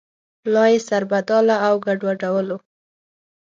لا یې سربداله او ګډوډولو.